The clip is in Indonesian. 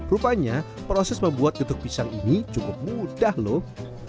rupanya proses membuat getuk pisang ini cukup mudah loh